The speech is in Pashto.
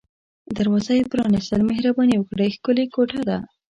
دروازه یې پرانیستل، مهرباني وکړئ، ښکلې کوټه ده.